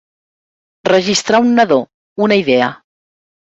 Registrar un nadó, una idea.